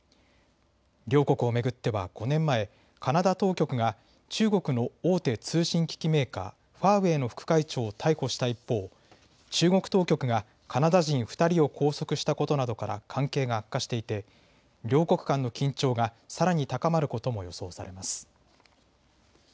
両国を巡っては５年前、カナダ当局が中国の大手通信機器メーカー、ファーウェイの副会長を逮捕した一方、中国当局がカナダ人２人を拘束したことなどから関係が悪化していて両国間の緊張がさらに高まることも予想されます。